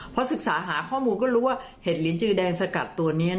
พอศึกษาหาข้อมูลก็รู้ว่าเห็ดลินจือแดงสกัดตัวนี้